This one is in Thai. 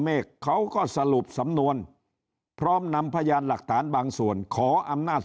เมฆเขาก็สรุปสำนวนพร้อมนำพยานหลักฐานบางส่วนขออำนาจ